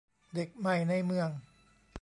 เด็กใหม่ในเมือง